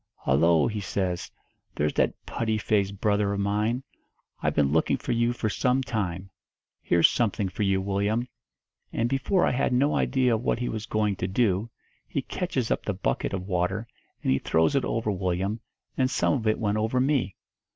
'Hollo' he says, 'there's that putty faced brother of mine. I've been looking for you for some time. Here's something for you, Willyum.' And before I had no idea of what he was going to do, he catches up the bucket of water and he throws it over Willyum, and some of it went over me.